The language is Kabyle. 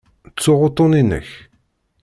Ttuɣ uṭṭun-inek.